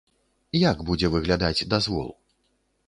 Як будзе выглядаць дазвол?